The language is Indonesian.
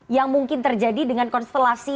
yang mungkin terjadi dengan konstelasi